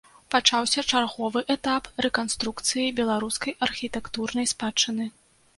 Пачаўся чарговы этап рэканструкцыі беларускай архітэктурнай спадчыны.